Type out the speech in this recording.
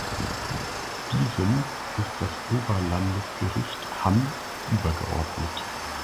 Diesem ist das Oberlandesgericht Hamm übergeordnet.